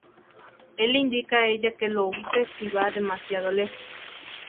Él le indica a ella que lo use si va demasiado lejos.